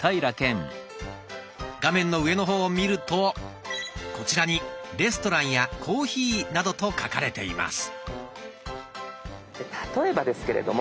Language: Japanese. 画面の上の方を見るとこちらに「レストラン」や「コーヒー」などと書かれています。